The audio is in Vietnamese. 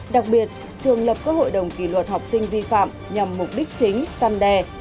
đặc biệt trường lập các hội đồng kỷ luật học sinh vi phạm nhằm mục đích chính săn đe